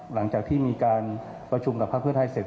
หลังจากที่มีการประชุมกับภาคเพื่อไทยเสร็จ